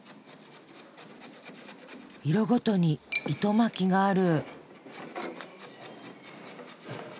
色ごとに糸巻きがある。